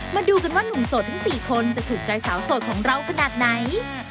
มาดูกันว่าหนุ่มโสดทั้ง๔คนจะถูกใจสาวโสดของเราขนาดไหน